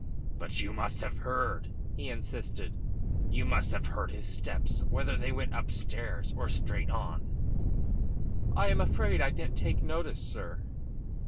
"But you must have heard," he insisted. "You must have heard his steps whether they went upstairs or straight on." "I am afraid I didn't take notice, sir."